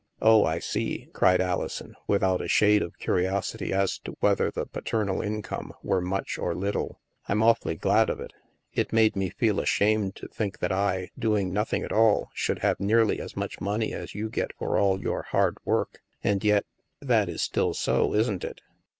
" Oh, I see," cried Alison, without a shade of curiosity as to whether the paternal income were much or little. " I'm awfully glad of it. It made me feel ashamed to think that I, doing nothing at all, should have nearly as much money as you get for all your hard work. And yet — that is still so, isn't it?"